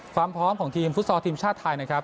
ความพร้อมของทีมฟุตซอลทีมชาติไทยนะครับ